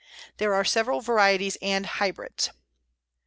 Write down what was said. There are several varieties and hybrids.